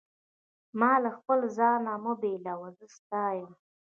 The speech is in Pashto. ما له خپل ځانه مه بېلوه، زه ستا یم.